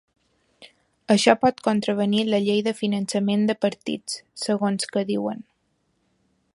Això pot contravenir la llei de finançament de partits, segons que diuen.